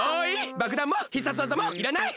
ばくだんも必殺技もいらない。